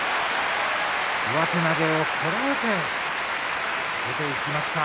上手投げをこらえて出ていきました